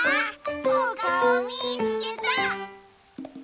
おかおみつけた！